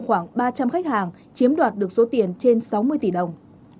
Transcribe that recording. khoảng ba trăm linh khách hàng chiếm đoạt được số tiền trên sáu mươi tỷ đồng